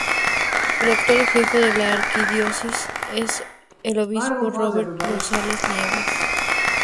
El actual jefe de la Arquidiócesis es el arzobispo Roberto González Nieves.